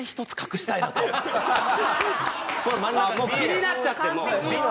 気になっちゃってもう。